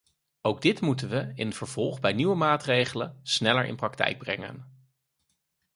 Ook dit moeten we in het vervolg bij nieuwe maatregelen sneller in praktijk brengen.